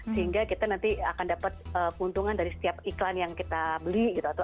sehingga kita nanti akan dapat keuntungan dari setiap iklan yang kita beli gitu